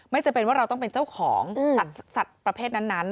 จำเป็นว่าเราต้องเป็นเจ้าของสัตว์ประเภทนั้น